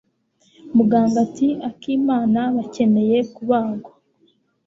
Muganga ati Akimana bakeneye kubagwa.